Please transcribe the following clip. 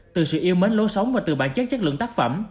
từ sự yêu mến lối sống và từ bản chất chất lượng tác phẩm